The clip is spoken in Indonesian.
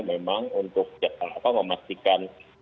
memang untuk memastikan